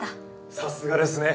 さすがですね。